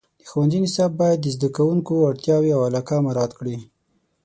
د ښوونځي نصاب باید د زده کوونکو اړتیاوې او علاقه مراعات کړي.